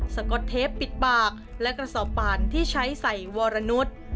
ก๊อตเทปปิดปากและกระสอบป่านที่ใช้ใส่วรนุษย์